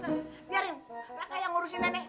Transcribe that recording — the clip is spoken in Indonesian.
biarin mereka yang ngurusin nenek